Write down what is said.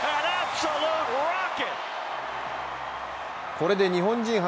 これで日本人初